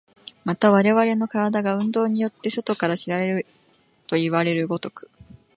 また我々の身体が運動によって外から知られるといわれる如く、